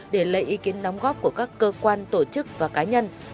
để lấy ý kiến đóng góp của các cơ quan tổ chức và cá nhân